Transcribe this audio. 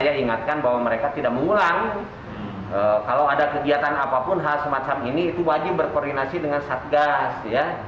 saya ingatkan bahwa mereka tidak mengulang kalau ada kegiatan apapun hal semacam ini itu wajib berkoordinasi dengan satgas ya